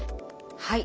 はい。